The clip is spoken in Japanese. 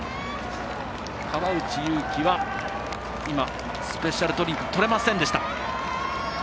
川内優輝は今スペシャルドリンク取れませんでした。